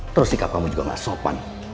terus sikap kamu juga gak sopan